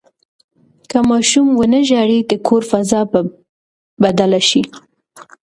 که ماشوم ونه ژاړي، د کور فضا به بدله شي.